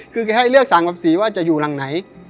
คือแกให้เลือก๓กับ๔ว่าจะอยู่หลังไหน